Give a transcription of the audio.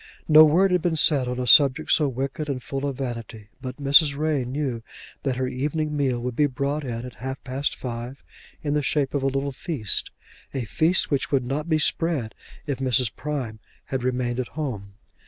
No word had been said on a subject so wicked and full of vanity, but Mrs. Ray knew that her evening meal would be brought in at half past five in the shape of a little feast, a feast which would not be spread if Mrs. Prime had remained at home.